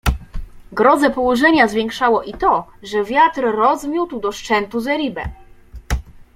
Grozę położenia zwiększało i to, że wiatr rozmiótł do szczętu zeribę.